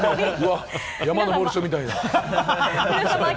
山登る人みたいな。